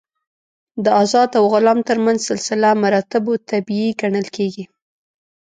د آزاد او غلام تر منځ سلسله مراتبو طبیعي ګڼل کېږي.